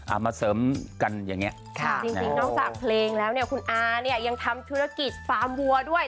เอามาเสริมกันอย่างเงี้ยค่ะจริงจริงนอกจากเพลงแล้วเนี่ยคุณอาเนี่ยยังทำธุรกิจฟาร์มวัวด้วย